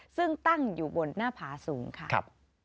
ซึ่งตั้งอยู่บนหน้าผาสูงค่ะ